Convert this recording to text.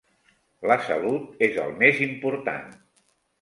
La salut és el més important.